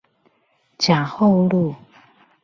甲后路